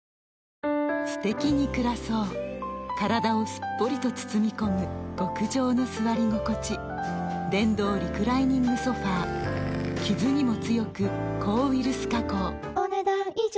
すてきに暮らそう体をすっぽりと包み込む極上の座り心地電動リクライニングソファ傷にも強く抗ウイルス加工お、ねだん以上。